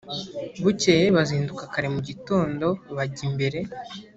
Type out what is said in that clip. bukeye bazinduka kare mu gitondo bajya imbere